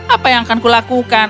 apa yang akan kulakukan